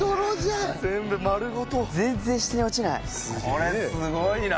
これすごいな。